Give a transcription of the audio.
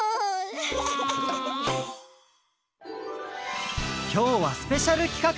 きょうはスペシャルきかく！